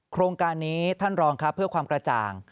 โครงการนี้ท่านรองครับเพื่อความกระจ่าง